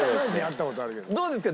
どうですか？